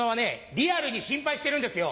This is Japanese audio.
リアルに心配してるんですよ。